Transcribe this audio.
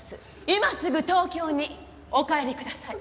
今すぐ東京にお帰りください。